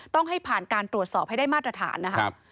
ต้องให้ผ่านการตรวจสอบให้ได้มาตรฐานนะครับ